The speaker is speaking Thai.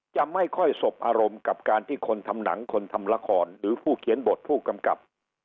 จะไม่ค่อยสบอารมณ์กับการที่คนทำหนังคนทำละครหรือผู้เขียนบทผู้กำกับ